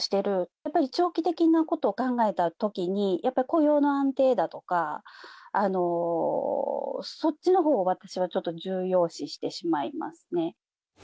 やっぱり長期的なことを考えたときに、やっぱり雇用の安定だとか、そっちのほうを私はちょっと重要視してしまいますね。